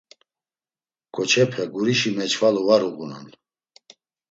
Ǩoçepe gurişi meç̌vala var uğunan…